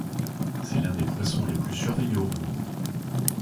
C'est l'un des poissons les plus surveillés au monde.